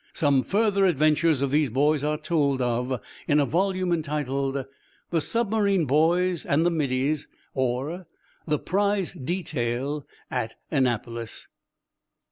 Some further adventures of these boys are told of in a volume entitled: "The Submarine Boys and the Middies; or, The Prize Detail at Annapolis."